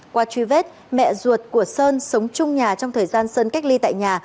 qua truy vết mẹ ruột của sơn sống chung nhà trong thời gian sơn cách ly tại nhà